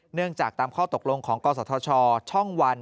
เนื่องจากตามข้อตกลงของกศธชช่องวัน